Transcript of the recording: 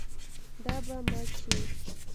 دا به مړ شي.